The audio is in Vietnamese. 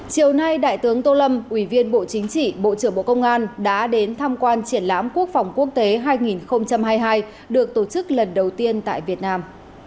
chiều nay đại tướng tô lâm ủy viên bộ chính trị bộ trưởng bộ công an đã đến tham quan triển lãm quốc phòng quốc tế hai nghìn hai mươi hai được tổ chức lần đầu tiên tại việt nam